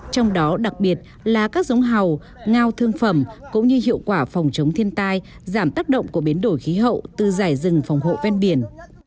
trong đó đặc biệt là các giống hầu ngao thương phẩm cũng như hiệu quả phòng chống thiên tai giảm tác động của biến đổi khí hậu từ giải rừng phòng hộ ven biển